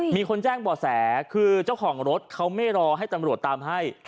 มีคนแจ้งบ่อแสคือเจ้าของรถเขาไม่รอให้ตำรวจตามให้